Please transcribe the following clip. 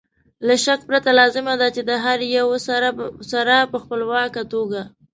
له شک پرته لازمه ده چې د هر یو سره په خپلواکه توګه